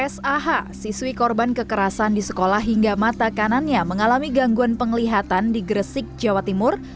sah siswi korban kekerasan di sekolah hingga mata kanannya mengalami gangguan penglihatan di gresik jawa timur